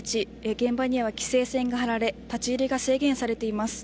現場には規制線が張られ立ち入りが制限されています。